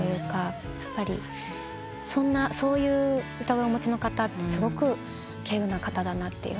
やっぱりそういう歌声をお持ちの方ってすごく希有な方だなって思うので。